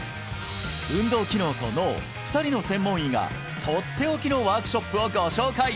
運動機能と脳２人の専門医がとっておきのワークショップをご紹介